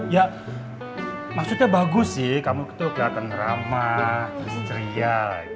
ya maksudnya bagus sih kamu tuh keliatan ramah ceria